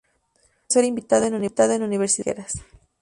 Fue profesor invitado en universidades extranjeras.